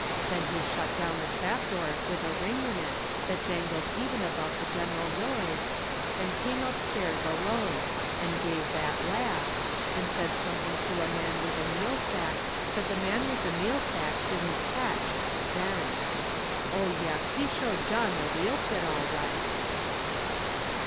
Then he shut down the trap door with a ring in it That jangled even above the general noise, And came up stairs alone and gave that laugh, And said something to a man with a meal sack That the man with the meal sack didn't catch then. Oh, yes, he showed John the wheel pit all right.